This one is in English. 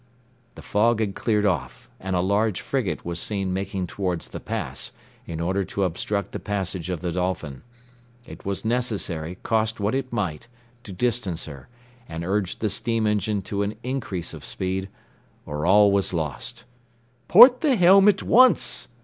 The fog had cleared off, and a large frigate was seen making towards the pass, in order to obstruct the passage of the Dolphin. It was necessary, cost what it might, to distance her, and urge the steam engine to an increase of speed, or all was lost. "Port the helm at once!"